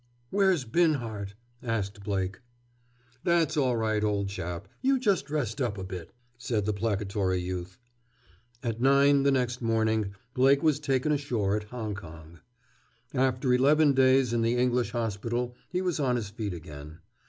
"Where's Binhart?" asked Blake. "That's all right, old chap, you just rest up a bit," said the placatory youth. At nine the next morning Blake was taken ashore at Hong Kong. After eleven days in the English hospital he was on his feet again.